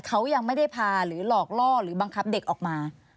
เขายังไม่ได้พาหรือหลอกล่อหรือบังคับเด็กออกมา